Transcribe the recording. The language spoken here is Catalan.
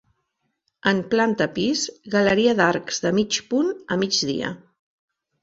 En planta pis, galeria d'arcs de mig punt a migdia.